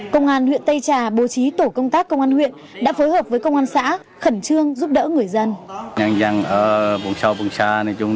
công an huyện tây trà bố trí tổ công tác công an huyện đã phối hợp với công an xã khẩn trương giúp đỡ người dân